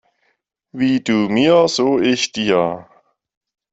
Wie du mir, so ich dir.